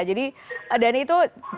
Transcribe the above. jadi dan itu